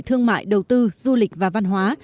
thương mại đầu tư du lịch và văn hóa